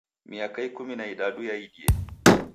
Miaka ikumi na idadu yaidie.